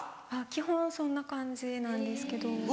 基本そんな感じなんですけど。